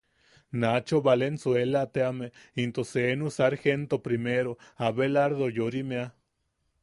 Nacho Valenzuela teame into seenu Sargento Primero Abelardo Yorimeʼa.